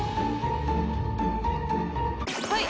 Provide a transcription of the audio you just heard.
はい。